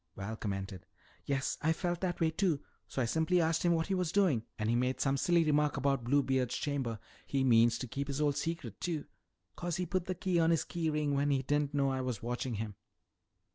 Val commented. "Yes, I felt that way too. So I simply asked him what he was doing and he made some silly remark about Bluebeard's chamber. He means to keep his old secret, too, 'cause he put the key on his key ring when he didn't know I was watching him."